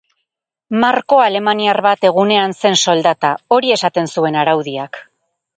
Marko alemaniar bat egunean zen soldata, hori esaten zuen araudiak.